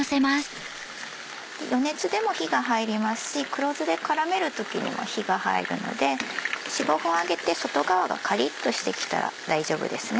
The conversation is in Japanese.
余熱でも火が入りますし黒酢で絡める時にも火が入るので４５分揚げて外側がカリっとしてきたら大丈夫ですね。